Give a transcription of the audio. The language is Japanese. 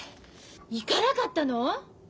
行かなかったの？